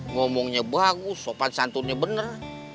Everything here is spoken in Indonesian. ngomongnya bagus sopan santunnya benar